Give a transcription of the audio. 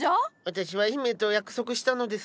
私は姫と約束したのです。